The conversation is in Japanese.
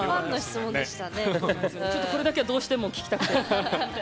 これだけはどうしても聞きたかったので。